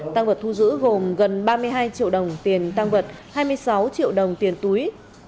tăng vật thu giữ gồm gần ba mươi hai triệu đồng tiền tăng vật hai mươi sáu triệu đồng tiền túi